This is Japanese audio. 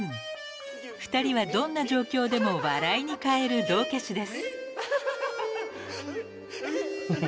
［二人はどんな状況でも笑いに変える道化師です］